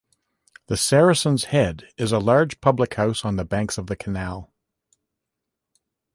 The Saracen's Head is a large public house on the banks of the canal.